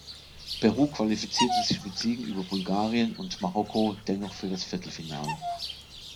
Peru qualifizierte sich mit Siegen über Bulgarien und Marokko dennoch für das Viertelfinale.